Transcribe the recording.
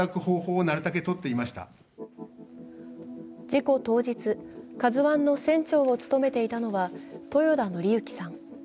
事故当日、「ＫＡＺＵⅠ」の船長を務めていたのは豊田徳幸さん。